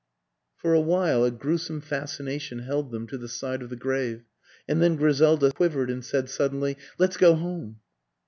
For a while a gruesome fascination held them to the side of the grave and then Griselda quivered and said suddenly, " Let's go home."